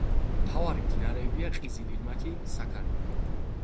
მთავარი მდინარეებია ყიზილ-ირმაქი, საქარია.